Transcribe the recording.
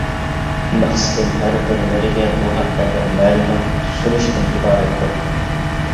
مەقسىتىم ھەر بىرلىرىگە بۇ ھەقتە بىر مەلۇمات سۇنۇشتىن ئىبارەتتۇر.